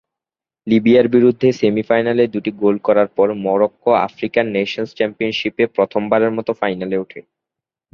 লিবিয়ার বিরুদ্ধে সেমি-ফাইনালে দুটি গোল করার পর, মরক্কো আফ্রিকান নেশন্স চ্যাম্পিয়নশিপে প্রথমবারের মতো ফাইনালে উঠে।